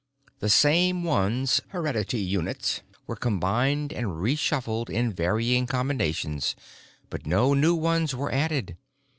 The same ones (heredity units) were combined and reshuffled in varying combinations, but no new ones were added.